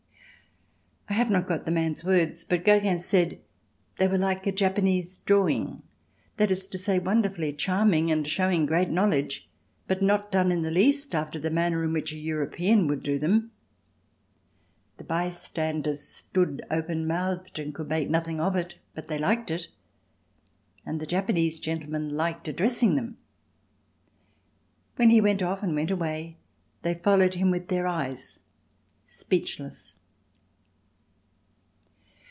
I have not the man's words but Gogin said they were like a Japanese drawing, that is to say, wonderfully charming, and showing great knowledge but not done in the least after the manner in which a European would do them. The bystanders stood open mouthed and could make nothing of it, but they liked it, and the Japanese gentleman liked addressing them. When he left off and went away they followed him with their eyes, speechless.